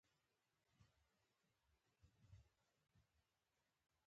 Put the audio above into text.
دوی لا دولسم ټولګی نه وو خلاص کړی چې مړه شول.